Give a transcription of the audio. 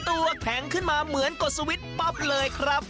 ตัวแข็งขึ้นมาเหมือนกดสวิตช์ปั๊บเลยครับ